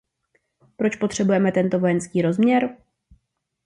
Proč potřebujeme tento vojenský rozměr?